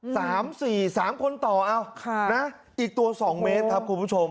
สามสี่สามคนต่อเอาค่ะนะอีกตัวสองเมตรครับคุณผู้ชม